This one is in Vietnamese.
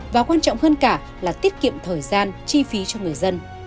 và quan trọng hơn cả là tiết kiệm thời gian chi phí cho người dân